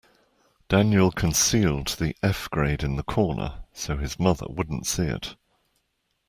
Daniel concealed the F grade in the corner so his mother wouldn't see it.